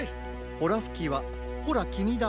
ほらふきはほらきみだ！